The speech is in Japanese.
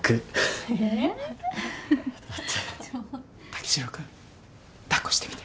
武四郎君抱っこしてみて。